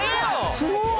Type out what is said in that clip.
すごーい！